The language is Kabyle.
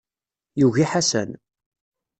Yugi Ḥasan.